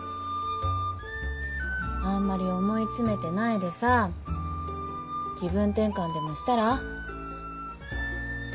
あんまり思い詰めてないでさ気分転換でもしたら？